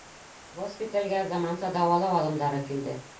Госпиталгә заманса дауалау алымдары килде